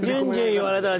言われたら。